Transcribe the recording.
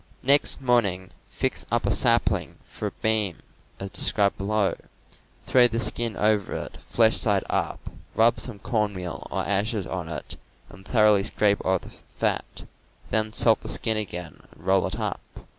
Next morn ing fix up a sapling for a "beam" (as described below), throw the skin over it, flesh side up, rub some corn meal or ashes on it and thoroughly scrape off the fat; then salt the skin again and roll it up.